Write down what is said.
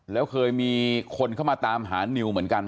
แล้วเคยมีคนเข้ามาตามหานิวเหมือนกัน